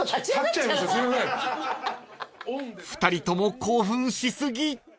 ［２人とも興奮し過ぎ］